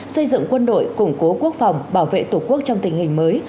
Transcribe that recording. xây dựng quân đội củng cố quốc phòng bảo vệ tổ quốc trong tình hình mới